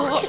pak d ya